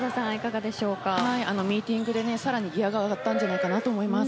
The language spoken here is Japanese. ミーティングで更にギアが上がったんじゃないかと思います。